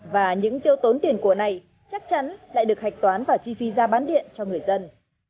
và những tiêu tốn tiền của này chắc chắn lại được hạch toán và chi phí ra bán điện cho người dân